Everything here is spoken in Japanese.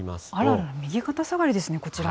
あらら、右肩下がりですね、こちらは。